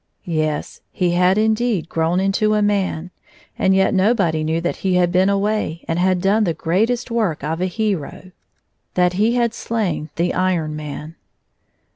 Yes; he had indeed grown mto a man. And yet nobody knew that he had been away and had done the greatest work of a hero — that he had slain the Iron Man.